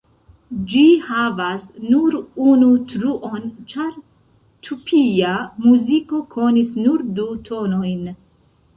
Ĝi havas nur unu truon ĉar tupia muziko konis nur du tonojn.